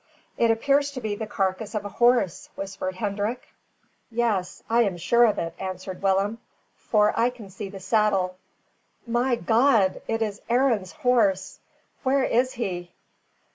"It appears to be the carcass of a horse," whispered Hendrik. "Yes, I am sure of it," answered Willem, "for I can see the saddle. My God! It is Arend's horse! Where is he?"